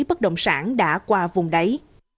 bất động sản đã qua vùng đáy